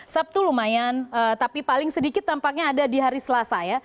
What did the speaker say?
sabtu lumayan tapi paling sedikit tampaknya ada di hari selasa ya